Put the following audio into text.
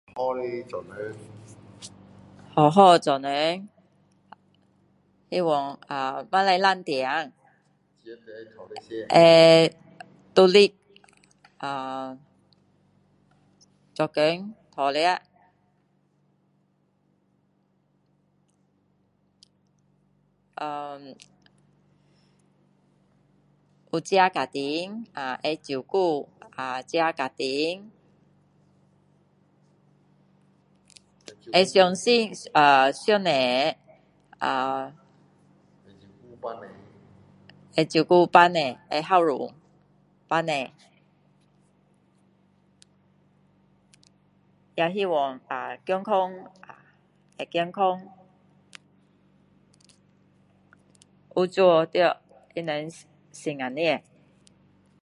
好好做人希望呃不可以懒惰会独立呃做工讨吃呃有自己家庭呃会照顾啊自己家庭会相信呃上帝呃会照顾父母会孝顺父母也希望呃健康呃会健康有主在他们心里